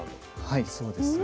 はいそうですね。